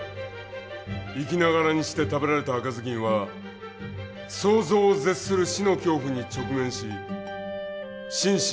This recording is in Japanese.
生きながらにして食べられた赤ずきんは想像を絶する死の恐怖に直面し身心を喪失しました。